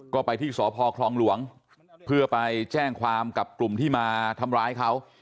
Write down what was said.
ก็ไปที่สพคลองหลวงเพื่อไปแจ้งความกับกลุ่มที่มาทำร้ายเขา